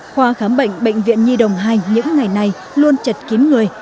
khoa khám bệnh bệnh viện nhi đồng hai những ngày này luôn chật kín người